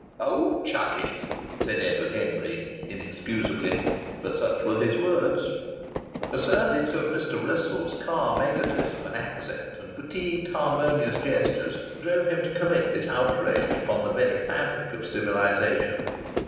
"Oh! chuck it!" said Edward Henry, inexcusably but such were his words. A surfeit of Mr. Wrissell's calm egotism and accent and fatigued harmonious gestures drove him to commit this outrage upon the very fabric of civilization.